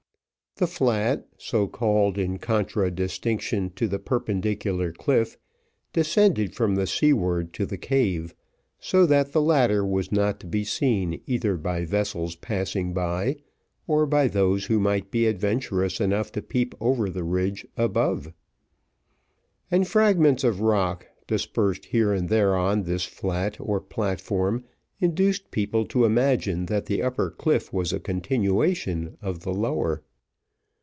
The flat, so called in contradistinction to the perpendicular cliff, descended from the seaward to the cave, so that the latter was not to be seen either by vessels passing by, or by those who might be adventurous enough to peep over the ridge above; and fragments of rocks, dispersed here and there on this flat, or platform, induced people to imagine that the upper cliff was a continuation of the lower.